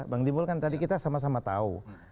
bang timbul kan tadi kita sama sama tahu